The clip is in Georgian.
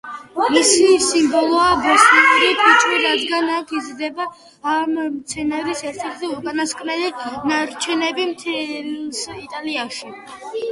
მისი სიმბოლოა ბოსნიური ფიჭვი, რადგან აქ იზრდება ამ მცენარის ერთ-ერთი უკანასკნელი ნარჩენები მთელს იტალიაში.